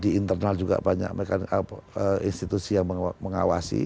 di internal juga banyak institusi yang mengawasi